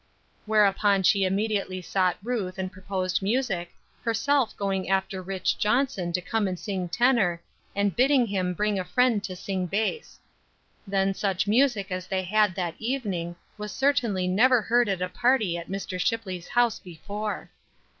Whereupon she immediately sought Ruth and proposed music, herself going after Rich. Johnson to come and sing tenor, and bidding him bring a friend to sing bass. Then such music as they had that evening, was certainly never heard at a party at Mr. Shipley's house before.